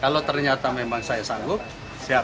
kalau ternyata memang saya sanggup siap